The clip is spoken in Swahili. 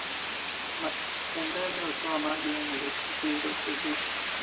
matembele hutoa maji yenye virutubisho